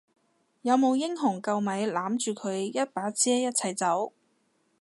有冇英雄救美攬住佢一把遮一齊走？